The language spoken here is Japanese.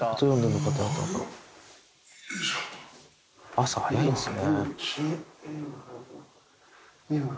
朝早いんですね。